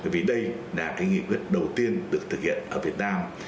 vì đây là cái nghị quyết đầu tiên được thực hiện ở việt nam